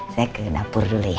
saya ke dapur dulu